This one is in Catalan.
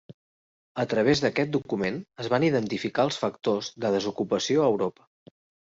A través d'aquest document, es van identificar els factors de desocupació a Europa.